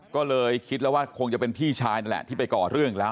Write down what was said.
ก็เลยคิดแล้วว่าคงจะเป็นพี่ชายนั่นแหละที่ไปก่อเรื่องแล้ว